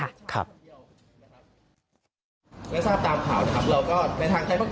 และทาบตามข่าวน่ะครับในทางตรายตะวัคดีเราไม่ยอมอย่างแน่นอนครับ